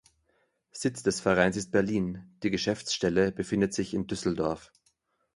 Sitz des Vereins ist Berlin, die Geschäftsstelle befindet sich in Düsseldorf.